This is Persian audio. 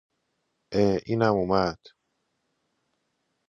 عه اینم اومد